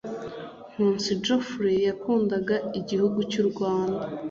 Nkusi Godfrey yakundaga igihugu cy’u Rwanda